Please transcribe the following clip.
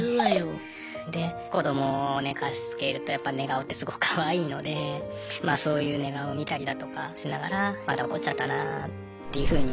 で子どもを寝かしつけるとやっぱ寝顔ってすごくかわいいのでまあそういう寝顔を見たりだとかしながらまた怒っちゃったなっていうふうに。